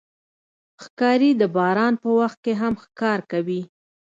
ښکاري د باران په وخت کې هم ښکار کوي.